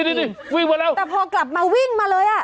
นี่วิ่งมาแล้วแต่พอกลับมาวิ่งมาเลยอ่ะ